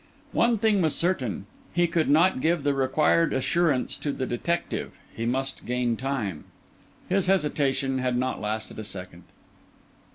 One thing was certain. He could not give the required assurance to the detective. He must gain time. His hesitation had not lasted a second.